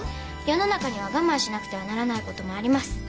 世の中には我慢しなくてはならないこともあります。